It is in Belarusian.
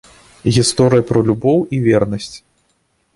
Гісторыя пра любоў і вернасць.